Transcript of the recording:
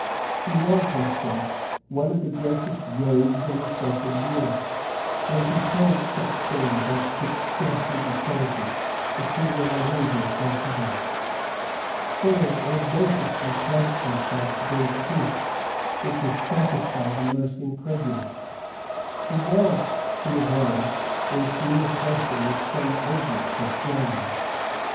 He was, they said, one of the greatest rogues on the face of the earth; and he told such things as could scarcely be credited if he were an angel from heaven. Fuller audaciously pledged himself to bring proofs which would satisfy the most incredulous. He was, he averred, in communication with some agents of James.